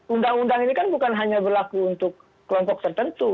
undang undang ini kan bukan hanya berlaku untuk kelompok tertentu